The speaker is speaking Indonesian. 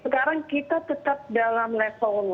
oke jadi sekarang kita tetap dalam level one ya